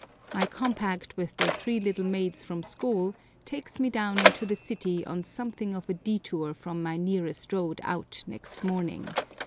My compact with the "three little maids from school" takes me down into the city on something of a detour from my nearest road out next morning.